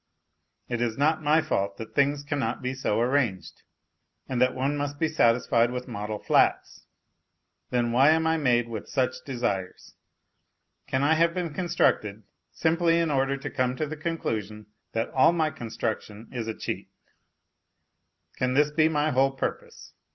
It is not my fault that things cannot be so arranged, and that one must be satisfied with model flats. Then why am I made with such desires ? Can I have been constructed simply in order to come to the conclusion that all my construction is a cheat ? Can this be my whole purpose